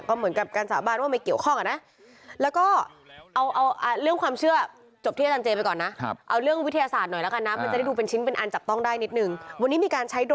ที่แบบไปลงโงมในคลองไปดูแพมเปอร์ดดูอะไร